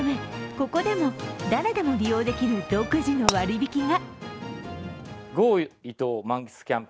ここでも誰でも利用できる独自の割引が。